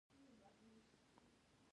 پسه د افغانستان د پوهنې په نصاب کې شامل دی.